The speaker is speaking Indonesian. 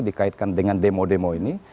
dikaitkan dengan demo demo ini